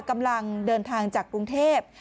กำลังเดินทางจากกรุงเทพ